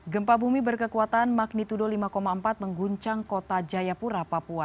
gempa bumi berkekuatan magnitudo lima empat mengguncang kota jayapura papua